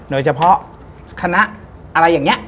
โดยเฉพาะคณะอะไรอย่างนี้